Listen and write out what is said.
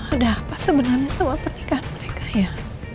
ada apa sebenarnya sama pernikahan mereka ya